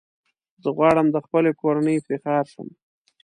زه غواړم د خپلي کورنۍ افتخار شم .